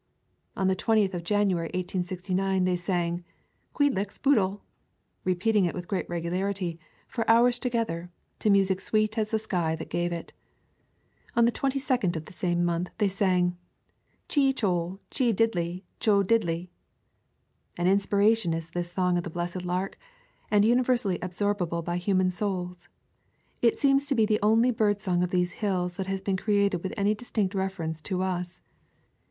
On the 2oth of January, 1869, they sang "Queed lix boodle," repeating it with great regularity, for hours together, to music sweet as the sky that gave it. On the 22d of the same month, they sang "Chee chool chee dildy choodildy." An inspiration is this song of the blessed lark, and universally absorbable by human souls. It seems to be the only bird song of these hills that has been created with any direct reference to us.